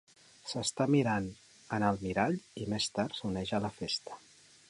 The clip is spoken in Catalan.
S'està mirant en el mirall i més tard s'uneix a la festa.